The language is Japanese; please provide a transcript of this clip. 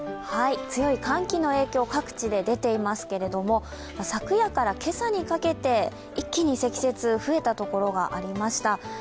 強い寒気の影響、各地で出ていますけれども、昨夜から今朝にかけて一気に積雪、増えた所がありました。